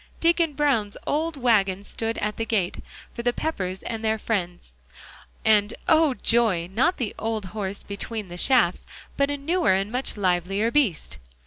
Deacon Brown's old wagon stood at the gate, for the Peppers and their friends; and, oh! joy, not the old horse between the shafts, but a newer and much livelier beast.